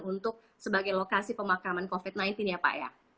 untuk sebagai lokasi pemakaman covid sembilan belas ya pak ya